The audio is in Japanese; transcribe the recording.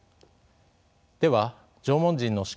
では縄文人の思考